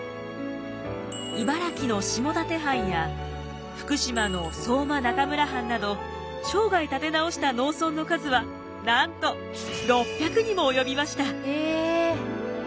茨城の下館藩や福島の相馬中村藩など生涯立て直した農村の数はなんと６００にも及びました！